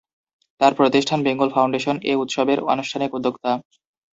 তার প্রতিষ্ঠান বেঙ্গল ফাউন্ডেশন এ উৎসবের আনুষ্ঠানিক উদ্যোক্তা।